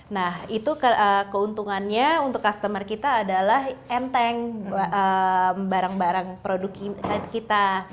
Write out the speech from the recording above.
nah itu keuntungannya untuk customer kita adalah enteng barang barang produk kita